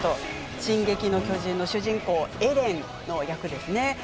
「進撃の巨人」のエレンの役ですね。